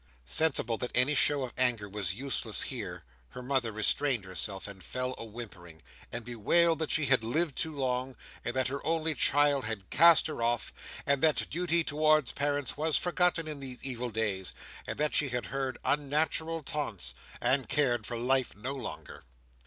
Sensible that any show of anger was useless here, her mother restrained herself, and fell a whimpering, and bewailed that she had lived too long, and that her only child had cast her off, and that duty towards parents was forgotten in these evil days, and that she had heard unnatural taunts, and cared for life no longer.